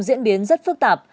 diễn biến rất phức tạp